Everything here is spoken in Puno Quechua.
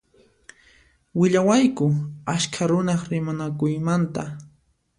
Willawayku askha runaq rimanakuymanta.